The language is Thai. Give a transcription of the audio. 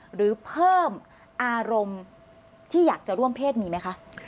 หรือเพิ่มอารมณ์ที่อยากจะร่วมเพศมีไหมคะ